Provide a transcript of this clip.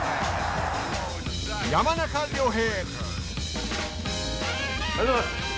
山中亮平。